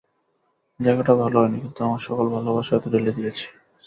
লেখাটা ভাল হয়নি, কিন্তু আমার সকল ভালবাসা এতে ঢেলে দিয়েছি।